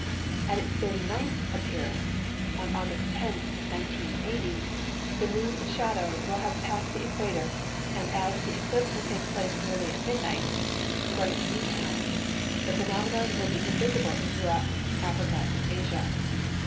At its 39th appearance, on August 10, 1980, the Moon's shadow will have passed the equator, and as the eclipse will take place nearly at midnight (Greenwich M.T.), the phenomenon will be invisible in Europe, Africa, and Asia.